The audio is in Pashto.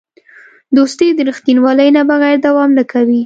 دوستي د رښتینولۍ نه بغیر دوام نه کوي.